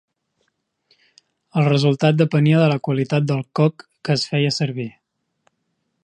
El resultat depenia de la qualitat del coc que es feia servir.